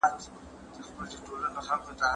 زه مخکي چپنه پاک کړې وه،